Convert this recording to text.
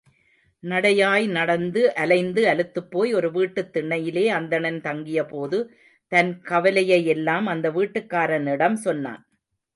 நடையாய் நடந்து, அலைந்து அலுத்துப்போய், ஒரு வீட்டுத் திண்ணையிலே அந்தணன் தங்கியபோது, தன் கவலையையெல்லாம் அந்த வீட்டுக்காரனிடம் சொன்னான்.